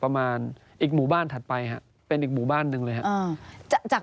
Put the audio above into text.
ประมาณอีกหมู่บ้านถัดไปฮะเป็นอีกหมู่บ้านหนึ่งเลยครับจาก